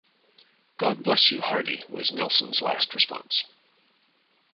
"God bless you Hardy" was Nelson's last response.